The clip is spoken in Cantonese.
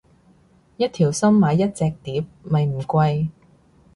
一條心買一隻碟咪唔貴